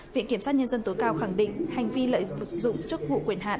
viện kiểm sát nhân dân tối cao khẳng định hành vi lợi dụng chức vụ quyền hạn